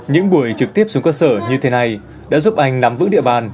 những buổi trực tiếp xuống cơ sở như thế này đã giúp anh nắm vững địa bàn